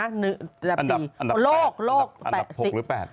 อันดับ๖หรือ๘